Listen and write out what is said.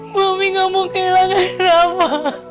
mami gak mau kehilangan rafa